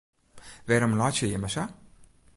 Wêrom laitsje jimme sa?